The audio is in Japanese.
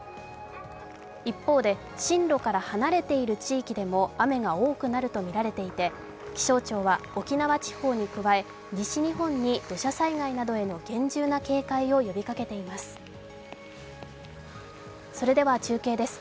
一方で、進路から離れている地域でも雨が多くなるとみられていて気象庁は沖縄地方に加え西日本に土砂災害などへの厳重な警戒を呼びかけています。